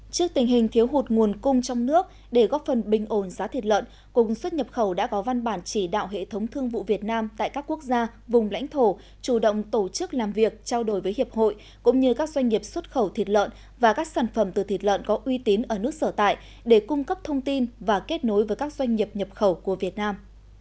trước tình hình thiếu hụt nguồn cung trong nước để góp phần bình ồn giá thịt lợn cục xuất nhập khẩu đã có văn bản chỉ đạo hệ thống thương vụ việt nam tại các quốc gia vùng lãnh thổ chủ động tổ chức làm việc trao đổi với hiệp hội cũng như các doanh nghiệp xuất khẩu thịt lợn và các sản phẩm từ thịt lợn có uy tín ở nước sở tại để cung cấp thông tin và kết nối với các doanh nghiệp nhập khẩu của việt nam